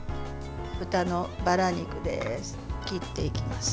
豚のバラ肉です。